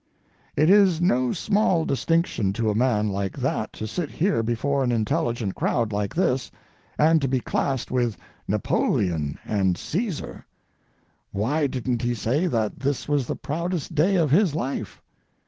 It is no small distinction to a man like that to sit here before an intelligent crowd like this and to be classed with Napoleon and Caesar. Why didn't he say that this was the proudest day of his life?